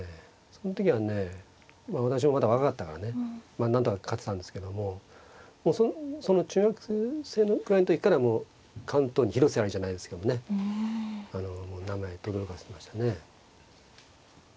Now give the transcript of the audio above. その時はね私もまだ若かったからねなんとか勝てたんですけどももうその中学生ぐらいの時からもう関東に広瀬ありじゃないですけどもねあの名前とどろかせてましたね。